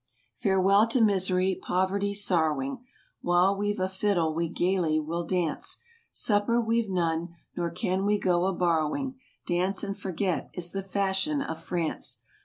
Farewell to misery, poverty, sorrowing, While we've a fiddle we gaily will dance; Supper we've none, nor can we go a borrowing 5 Dance and forget is the fashion of France.